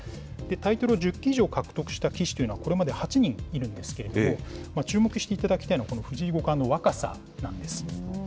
タイトルを１０期以上獲得した棋士というのはこれまで８人いるんですけれども、注目していただきたいのは、この藤井五冠の若さなんです。